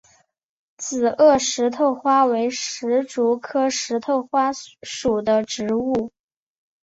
紫萼石头花为石竹科石头花属的植物。